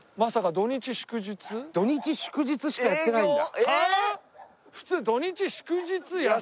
土日祝日しかやってないんだ。